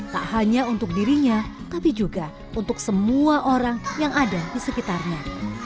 tak hanya untuk dirinya tapi juga untuk semua orang yang ada di sekitarnya